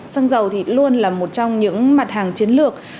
xăng dầu thì luôn là một trong những mặt hàng chiến lược